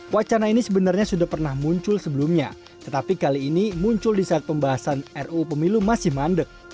wacana ini sebenarnya sudah pernah muncul sebelumnya tetapi kali ini muncul di saat pembahasan ruu pemilu masih mandek